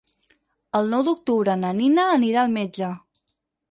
El nou d'octubre na Nina anirà al metge.